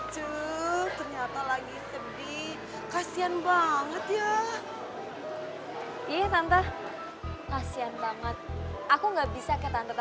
jangan solely kaya suami sicism